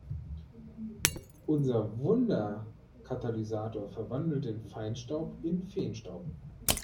Unser Wunderkatalysator verwandelt den Feinstaub in Feenstaub.